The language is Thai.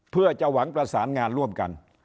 เพื่อจะหวังประสานงานร่วมกัน